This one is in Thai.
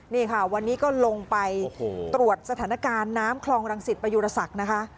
นี่ค่ะวันนี้ก็ลงไปตรวจสถานการณ์น้ำคลองรังสิตประยุรศักดิ์นะคะ